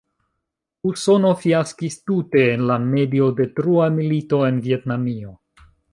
Usono fiaskis tute en la mediodetrua milito en Vjetnamio.